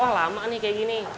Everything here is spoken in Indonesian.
wah lama nih kayak gini